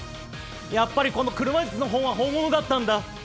やっぱりこの黒魔術の本は本物だったんだ。